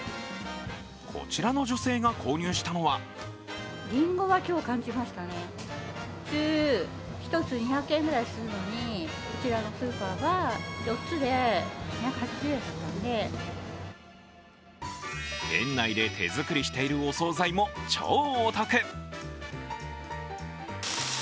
こちらの女性が購入したのは店内で手作りしているお総菜も超お得。